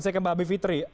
saya ke mbak habib fitri